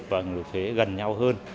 và người nộp thuế gần nhau hơn